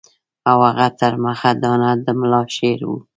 او هغه تر مخه دانه د ملا شعر وو.